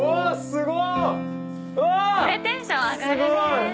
すごい！